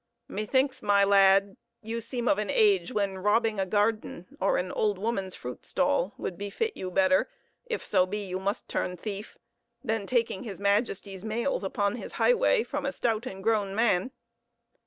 "Methinks my lad, you seem of an age when robbing a garden or an old woman's fruit stall would befit you better, if so be you must turn thief, than taking his Majesty's mails upon his highway from a stout and grown man.